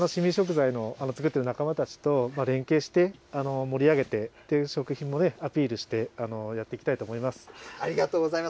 凍み食材の作っている仲間たちと連携して、盛り上げて、食品もアピールしてやっていきたいと思います。